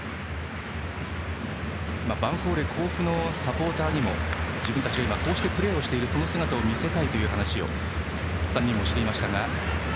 ヴァンフォーレ甲府のサポーターにも自分たちがこうしてプレーしている姿を見せたいという話を３人もしていました。